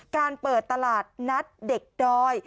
การเปิดตลาดนัดเด็กดอย